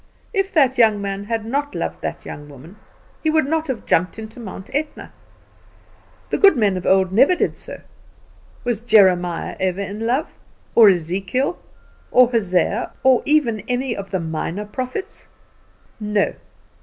If that young man had not loved that young woman, he would not have jumped into Mount Etna. The good men of old never did so. Was Jeremiah ever in love, or Ezekiel, or Hosea, or even any of the minor prophets? No.